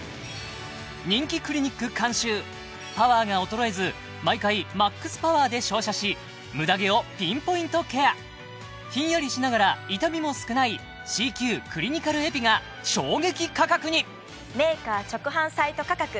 人気クリニック監修パワーが衰えず毎回ＭＡＸパワーで照射しムダ毛をピンポイントケアひんやりしながら痛みも少ないＣＱクリニカルエピが衝撃価格に！